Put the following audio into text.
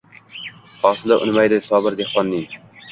Hosili unmaydi Sobir dehqonning